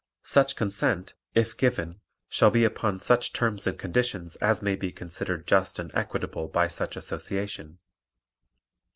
Such consent, if given, shall be upon such terms and conditions as may be considered just and equitable by such Association.